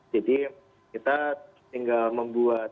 jadi kita tinggal membuat